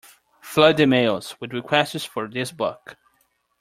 Flood the mails with requests for this book.